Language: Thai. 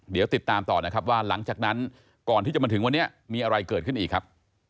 เดี๋ยวติดตามต่อนะครับว่าหลังจากนั้นก่อนที่จะมาถึงวันนี้มีอะไรเกิดขึ้นอีกครับ